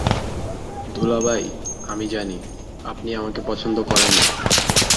দুলাভাই, আমি জানি, আপনি আমাকে পছন্দ করেন না।